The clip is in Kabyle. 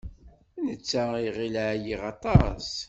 Netta iɣil ɛyiɣ aṭas.